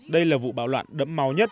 đây là vụ bạo loạn đẫm máu nhất